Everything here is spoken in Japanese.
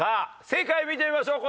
正解を見てみましょう。